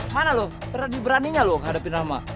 mana lo teradi beraninya lo hadapin rahma